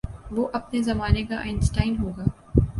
وہ اپنے زمانے کا آئن سٹائن ہو گا۔